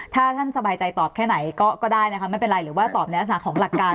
ถ้าท่านสบายใจตอบแค่ไหนก็ได้นะคะไม่เป็นไรหรือว่าตอบในลักษณะของหลักการ